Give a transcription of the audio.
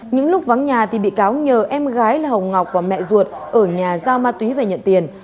những lúc vắng nhà thì bị cáo nhờ em gái là hồng ngọc và mẹ ruột ở nhà giao ma túy về nhận tiền